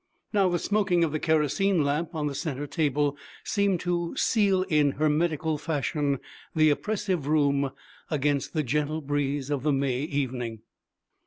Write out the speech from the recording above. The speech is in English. Now the smoking of the kerosene lamp on the centre table seemed to seal in hermetical fashion the oppressive room against the gentle breeze of the May evening.